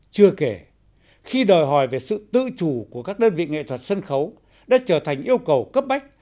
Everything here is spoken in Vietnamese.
chưa kể khi đòi hỏi về sự tự chủ của các đơn vị nghệ thuật sân khấu đã trở thành yêu cầu cấp bách